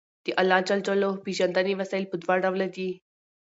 د اللَّهِ ج پيژندنې وسايل په دوه ډوله دي